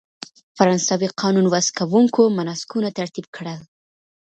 فرانسوي قانون وضع کوونکو مناسکونه ترتیب کړل.